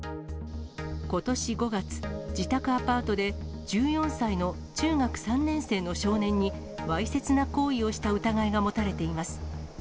ことし５月、自宅アパートで１４歳の中学３年生の少年に、わいせつな行為をした疑いが持たれています。